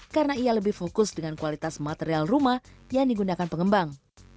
karena ia lebih fokus dengan kualitas material rumah yang digunakan pengembang